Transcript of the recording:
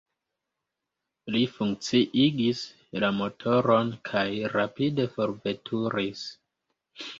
Li funkciigis la motoron kaj rapide forveturis.